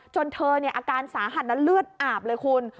จนเธออาการสาหัสและเลือดอาบเลยคุณ